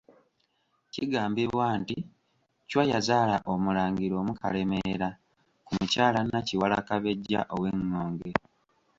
Kigambibwa nti Chwa yazaala omulangira omu Kalemeera ku mukyala Nakiwala Kabejja ow'Engonge.